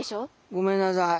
ごめんなさい。